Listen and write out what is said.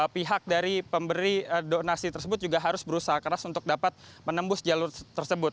pihak dari pemberi donasi tersebut juga harus berusaha keras untuk dapat menembus jalur tersebut